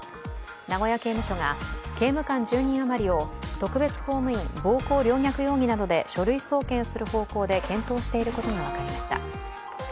名古屋刑務所が刑務官１０人余りを特別公務員暴行陵虐容疑などで書類送検する方向で検討していることが分かりました。